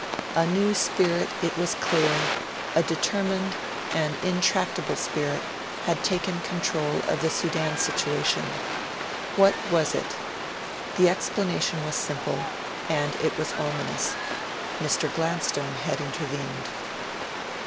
A new spirit, it was clear a determined, an intractable spirit had taken control of the Sudan situation. What was it? The explanation was simple, and it was ominous. Mr. Gladstone had intervened.